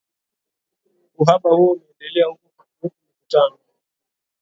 Uhaba huo umeendelea huku kukiwepo mivutano